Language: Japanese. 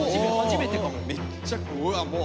めっちゃうわもう。